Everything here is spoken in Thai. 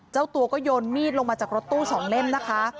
เจ้าตัวก็โยนมีดลงมาจากรถตู้๒เล่มนะคะ